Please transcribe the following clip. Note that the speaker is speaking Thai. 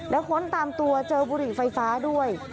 แล้วค้นตามตัวเจอบุหรี่ไฟฟ้าด้วย